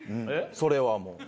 それはもう。